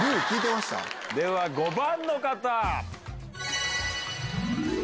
では５番の方。